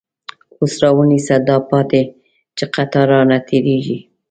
اوس راونیسه داپاتی، چی قطار رانه تير یږی